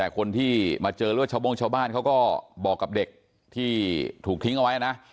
คนที่มาเจอหรือว่าชาวโบ้งชาวบ้านเขาก็บอกกับเด็กที่ถูกทิ้งเอาไว้นะ